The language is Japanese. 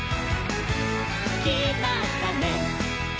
「きまったね！